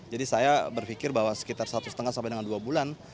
jadi saya berpikir bahwa sekitar satu lima sampai dengan dua bulan